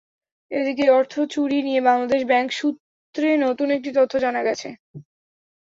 এদিকে অর্থ চুরি নিয়ে বাংলাদেশ ব্যাংক সূত্রে নতুন একটি তথ্য জানা গেছে।